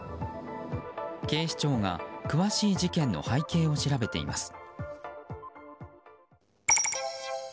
警視庁が詳しい事件の背景を調べています。